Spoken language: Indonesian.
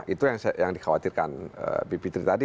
itu yang dikhawatirkan bipitri tadi